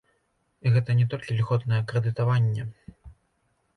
І гэта не толькі льготнае крэдытаванне.